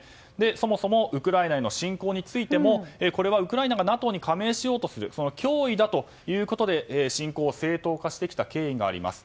そもそもウクライナへの侵攻についてもこれはウクライナがＮＡＴＯに加盟しようとする脅威だということで侵攻を正当化してきた経緯があります。